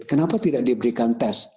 kenapa tidak diberikan tes